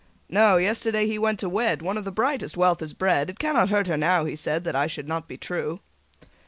"No: yesterday he went to wed One of the brightest wealth has bred. 'It cannot hurt her now,' he said, 'That I should not be true.'"